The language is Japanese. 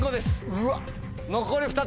うわっ。